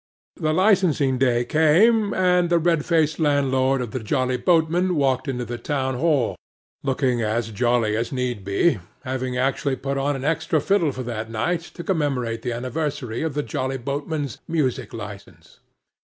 The licensing day came, and the red faced landlord of the Jolly Boatmen walked into the town hall, looking as jolly as need be, having actually put on an extra fiddle for that night, to commemorate the anniversary of the Jolly Boatmen's music licence.